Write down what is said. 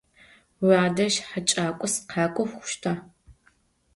Vuadej heç'ak'o sıkhak'o xhuşta?